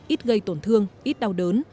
ít gây tổn thương ít đau đớn